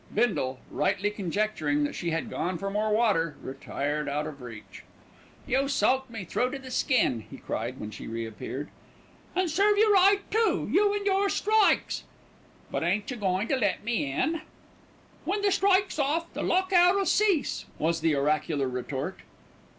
Bindle, rightly conjecturing that she had gone for more water, retired out of reach. "You soaked me through to the skin," he cried, when she re appeared. "And serve you right, too, you and your strikes." "But ain't you goin' to let me in?" "When the strike's off the lock out'll cease," was the oracular retort.